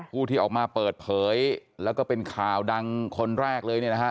ผู้ที่ออกมาเปิดเผยแล้วก็เป็นข่าวดังคนแรกเลยเนี่ยนะฮะ